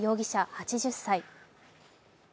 ８０歳。